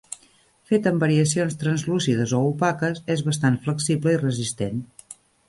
Fet amb variacions translúcides o opaques, és bastant flexible i resistent.